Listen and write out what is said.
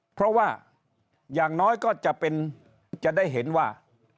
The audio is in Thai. เพราะว่าอย่างน้อยก็จะได้เห็นว่า